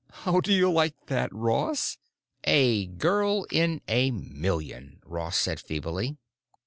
How do you like that, Ross?" "A girl in a million," Ross said feebly.